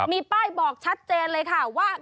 มีป้ายบอกชัดเจนเลยค่ะว่า